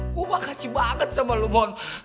gua makasih banget sama lo mon